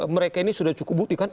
mereka ini sudah cukup bukti kan